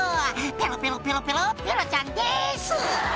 ペロペロペロペロペロちゃんです」